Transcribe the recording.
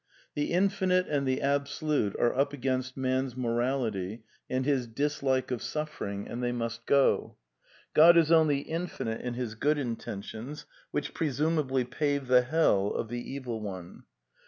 The Infinite and the Absolute are up against man's morality and his dis like of suffering, and they must go. God is only infinite in His good intentions, which presumably pave the hell of the Evil One.